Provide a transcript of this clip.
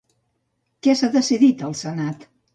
Què s'ha decidit al senat?